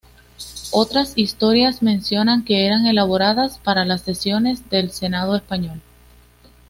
Otras historias mencionan que eran elaboradas para las sesiones del senado español.